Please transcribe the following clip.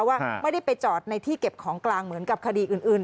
ว่าไม่ได้ไปจอดในที่เก็บของกลางเหมือนกับคดีอื่น